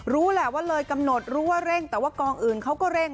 รู้แหละว่าเลยกำหนดรู้ว่าเร่งแต่ว่ากองอื่นเขาก็เร่ง